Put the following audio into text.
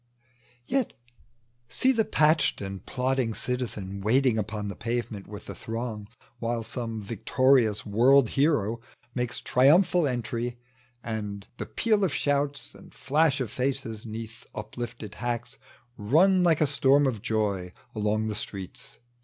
Yet, see the patched and plodding citizen Waiting upon tiie pavement with the throng While some victorious world hero makes Triumphal entry, and the peal of shouts And flash of fiicea 'neath uplifted hats .tec bv Google 18b A MINOE PEOPHET. Run like a storm of joy along the streets